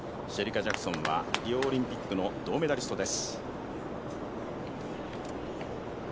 シェリカ・ジャクソンはリオリンピックの銅メダリストです。